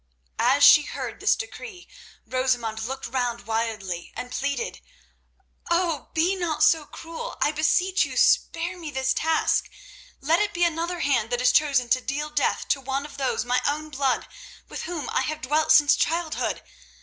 As she heard this decree Rosamund looked round wildly and pleaded: "Oh! be not so cruel. I beseech you spare me this task. Let it be another hand that is chosen to deal death to one of those of my own blood with whom I have dwelt since childhood.